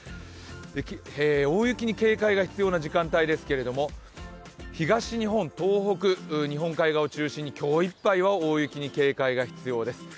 大雪に警戒が必要な時間帯ですけど東日本、東北、今日いっぱいは大雪に警戒が必要です。